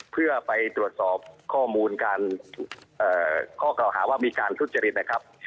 เพื่อไปตรวจสอบข้อมูลการข้อกล่าวหาว่ามีการทุจริตนะครับ